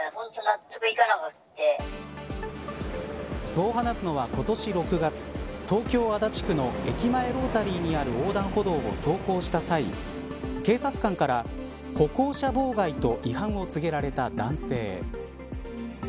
そう話すのは、今年６月東京、足立区の駅前ロータリーにある横断歩道を走行した際警察官から歩行者妨害と違反を告げられた男性。